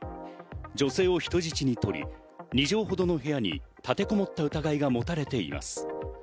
女性を人質に取り、２畳ほどの部屋に立てこもった疑いが持たれています。